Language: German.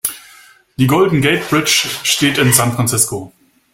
Die Golden Gate Bridge steht in San Francisco.